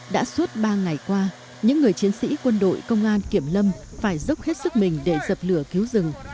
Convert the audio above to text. đã suốt ba ngày qua những người chiến sĩ quân đội công an kiểm lâm phải dốc hết sức mình để dập lửa cứu rừng